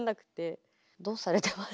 どうされてます？